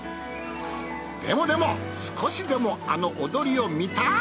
でもでも少しでもあの踊りを見たい！